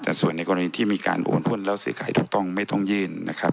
แต่ส่วนในกรณีที่มีการโอนหุ้นแล้วเสียหายถูกต้องไม่ต้องยื่นนะครับ